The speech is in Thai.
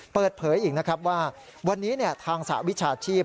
เปิดเผยอีกนะครับว่าวันนี้ทางสหวิชาชีพ